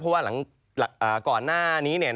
เพราะว่าก่อนหน้านี้